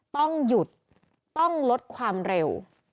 ต้องหยุดต้องลดความเร็ว